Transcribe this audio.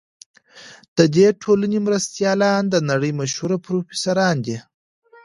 د دې ټولنې مرستیالان د نړۍ مشهور پروفیسوران دي.